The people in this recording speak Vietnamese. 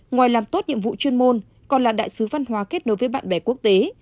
ngoài làm tốt nhiệm vụ chuyên môn còn là đại sứ văn hóa kết nối với bạn bè quốc tế